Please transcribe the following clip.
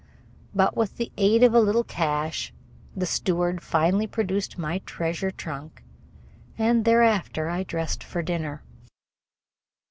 But, with the aid of a little cash, the steward finally produced my treasure trunk, and thereafter I dressed for dinner.